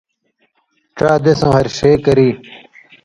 ڇا دیسؤں ہار ݜے کری۔